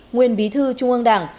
nguyên bí thư trung ương đảng